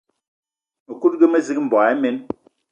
Mëkudgë mezig, mboigi imen